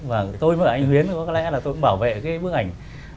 và tôi với anh huyến có lẽ là tôi cũng bảo vệ cái bức ảnh